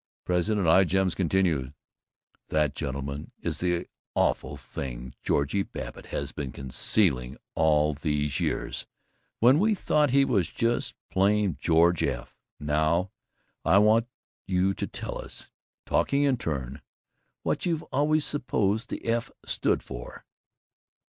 President Ijams continued: "That, gentlemen, is the awful thing Georgie Babbitt has been concealing all these years, when we thought he was just plain George F. Now I want you to tell us, taking it in turn, what you've always supposed the F. stood for."